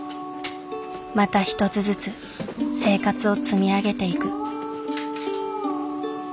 また一つずつ生活を積み上げていく。